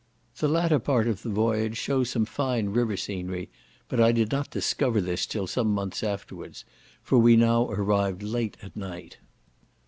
The latter part of the voyage shews some fine river scenery; but I did not discover this till some months afterwards, for we now arrived late at night.